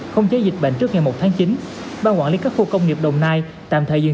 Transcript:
không chế dịch bệnh trước ngày một tháng chín ban quản lý các khu công nghiệp đồng nai tạm thời diện